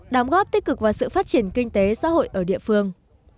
đóng góp tích cực vào sự phát triển kinh tế xã hội ở địa phương